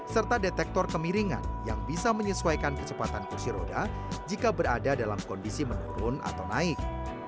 serta detektor kemiringan yang bisa menyesuaikan kecepatan kursi roda jika berada dalam kondisi menurun atau naik